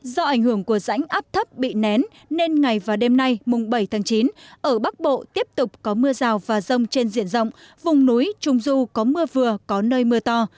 do ảnh hưởng của rãnh áp thấp bị nén nên ngày và đêm nay mùng bảy tháng chín ở bắc bộ tiếp tục có mưa rào và rông trên diện rộng vùng núi trung du có mưa vừa có nơi mưa to